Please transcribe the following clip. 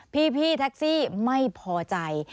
พี่แท็กซี่ไม่พอใจ